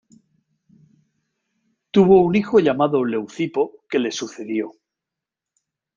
Tuvo un hijo llamado Leucipo, que le sucedió.